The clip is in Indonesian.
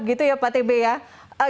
begitu ya pak atb ya